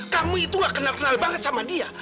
kamu itu gak kenal kenal banget sama dia